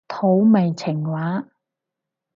土味情話